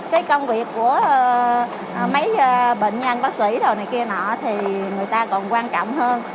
cái công việc của mấy bệnh nhân bác sĩ người ta còn quan trọng hơn